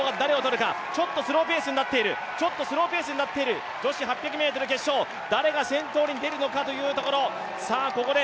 ちょっとスローペースになっている女子８００ｍ決勝、誰が先頭に出るのかというところ。